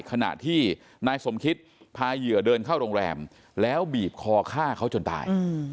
ขณะที่นายสมคิตพาเหยื่อเดินเข้าโรงแรมแล้วบีบคอฆ่าเขาจนตาย